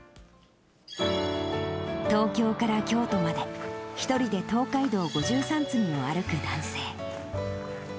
東京から京都まで、１人で東海道五十三次を歩く男性。